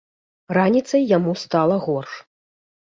Раніцай яму стала горш.